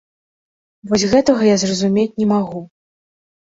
Вось гэтага я зразумець не магу.